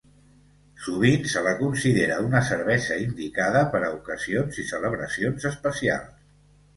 Sovint se la considera una cervesa indicada per a ocasions i celebracions especials.